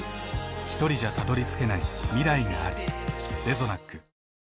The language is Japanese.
ひとりじゃたどりつけない未来がある。